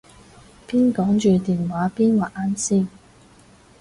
邊講住電話邊畫眼線